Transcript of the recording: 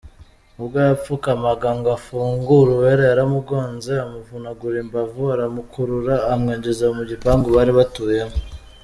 Ubwo yapfukamaga ngo afungure Uwera yaramugonze amuvunagura imbavu, aramukurura amwinjiza mu gipangu bari batuyemo.